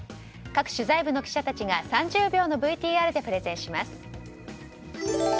各取材部の記者たちが３０秒のＶＴＲでプレゼンします。